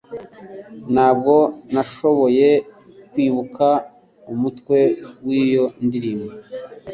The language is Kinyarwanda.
Ntabwo nashoboye kwibuka umutwe w'iyo ndirimbo